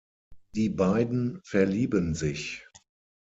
Die beiden verlieben sich.